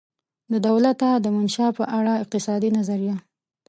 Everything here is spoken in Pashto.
د دولته دمنشا په اړه اقتصادي نظریه